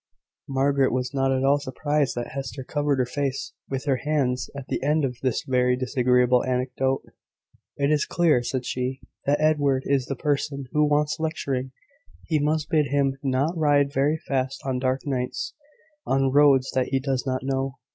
Margaret was not at all surprised that Hester covered her face with her hands at the end of this very disagreeable anecdote. "It is clear," said she, "that Edward is the person who wants lecturing. We must bid him not ride very fast on dark nights, on roads that he does not know.